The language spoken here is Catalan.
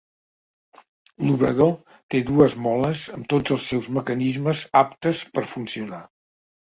L'obrador té dues moles amb tots els seus mecanismes aptes per funcionar.